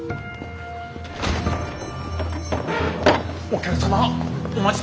お客様。